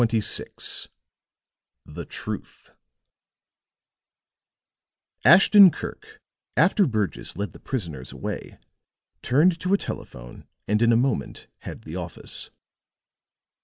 CHAPTER XXVI THE TRUTH Ashton Kirk, after Burgess led the prisoners away, turned to a telephone and in a moment had the office.